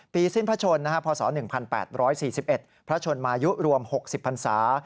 ปีสิ้นพระชนศ์พศ๑๘๔๑ประชนมายุรวม๖๐พรรษา